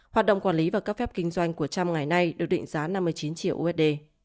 hoạt động quản lý và cấp phép kinh doanh của trump ngày nay được định giá năm mươi chín triệu usd